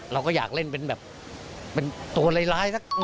เราก็อยากเล่นเป็นแบบเป็นตัวร้ายสัก